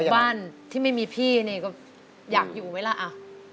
บ้านที่ไม่มีพี่นี่ก็อยากอยู่ไหมล่ะ